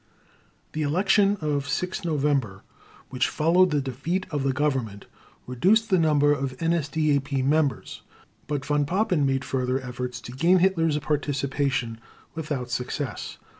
The election of 6 November, which followed the defeat of the Government, reduced the number of NSDAP members, but Von Papen made further efforts to gain Hitler's participation, without success.